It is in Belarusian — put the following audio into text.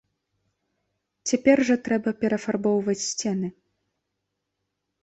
Цяпер жа трэба перафарбоўваць сцены.